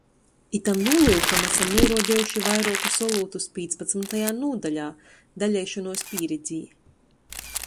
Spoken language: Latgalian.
Itam nūlyukam asam nūruodejuši vairuokus olūtus pīcpadsmytajā nūdaļā. Daleišonuos pīredzē.